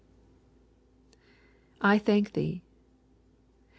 [/ thank thee.